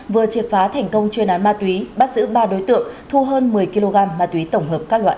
vừa triệt phá thành công chuyên án ma túy bắt giữ ba đối tượng thu hơn một mươi kg ma túy tổng hợp các loại